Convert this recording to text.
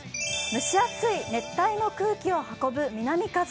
蒸し暑い熱帯の空気を運ぶ南風。